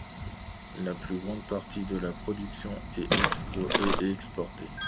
La plus grande partie de la production est exportée.